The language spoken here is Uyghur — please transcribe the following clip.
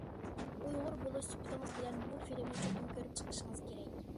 ئۇيغۇر بولۇش سۈپىتىڭىز بىلەن بۇ فىلىمنى چوقۇم كۆرۈپ چىقىشىڭىز كېرەك.